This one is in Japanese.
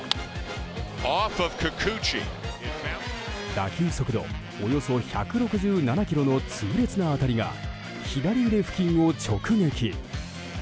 打球速度、およそ１６７キロの痛烈な当たりが左腕付近を直撃。